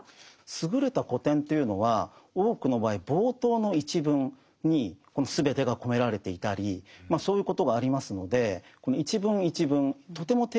優れた古典というのは多くの場合冒頭の一文に全てが込められていたりそういうことがありますのでこの一文一文とても丁寧に読んでいくことが必要だと思います。